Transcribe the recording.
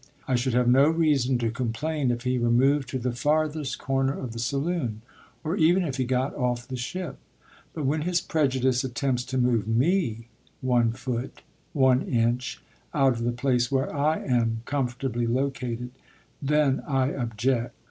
I should have no reason to complain if he removed to the farthest corner of the saloon, or even if he got off the ship; but when his prejudice attempts to move me one foot, one inch, out of the place where I am comfortably located, then I object."